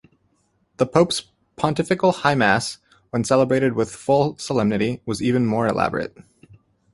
The Pope's Pontifical High Mass, when celebrated with full solemnity, was even more elaborate.